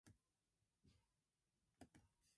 Boggs was born in New Brunswick, New Jersey.